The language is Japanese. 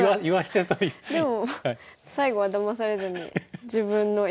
でも最後はだまされずに自分の意思を。